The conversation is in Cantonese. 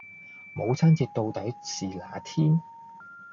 母親節到底是那天？